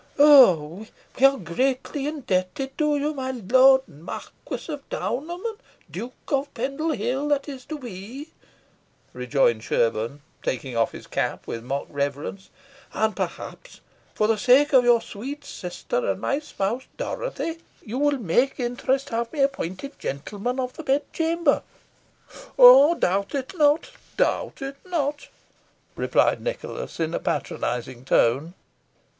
"We are greatly indebted to you, my Lord Marquess of Downham and Duke of Pendle Hill, that is to be," rejoined Sherborne, taking off his cap with mock reverence; "and perhaps, for the sake of your sweet sister and my spouse, Dorothy, you will make interest to have me appointed gentleman of the bedchamber?" "Doubt it not doubt it not," replied Nicholas, in a patronising tone.